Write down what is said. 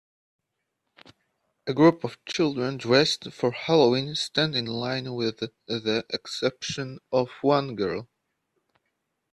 A group of children dressed for halloween stand in line with the exception of one girl.